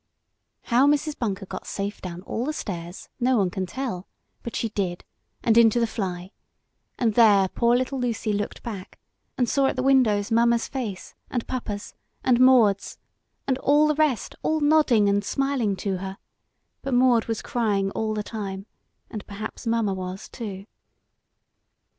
How Mrs. Bunker got safe down all the stairs no one can tell, but she did, and into the fly, and there poor little Lucy looked back and saw at the windows Mamma's face, and Papa's, and Maude's, and all the rest, all nodding and smiling to her, but Maude was crying all the time, and perhaps Mamma was too.